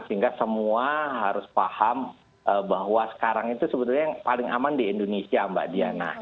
sehingga semua harus paham bahwa sekarang itu sebetulnya yang paling aman di indonesia mbak diana